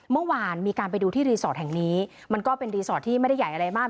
เมื่อวานมีการไปดูที่รีสอร์ทแห่งนี้มันก็เป็นรีสอร์ทที่ไม่ได้ใหญ่อะไรมาก